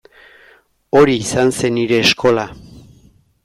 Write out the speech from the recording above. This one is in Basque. Hori izan zen nire eskola.